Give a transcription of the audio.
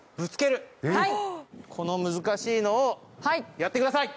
この難しいのをやってください。